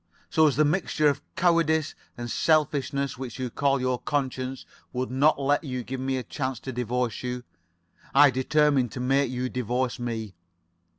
"So as the mixture of cowardice and selfishness which you call your conscience would not let you give me a chance to divorce you, I determined to make you divorce me.